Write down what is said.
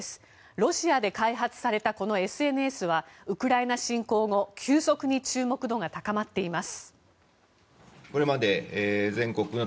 ロシアで開発されたこのＳＮＳはウクライナ侵攻後急速に注目度が高まっています。